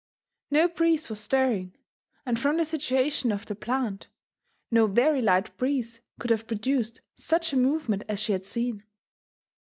No breeze was stirring, and from the situation of the plant, no very light breeze could have produced, such a movement as she had seen.